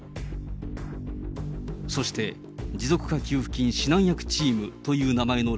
そして、持続化給付金指南役チームという名前の